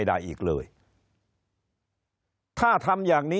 คนในวงการสื่อ๓๐องค์กร